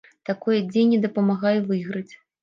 Такое дзеянне дапамагае выйграць.